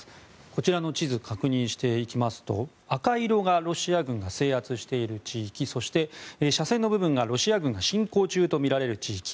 こちらの地図を確認しますと赤色がロシア軍が制圧している地域そして、斜線の部分がロシア軍が侵攻中とみられる地域。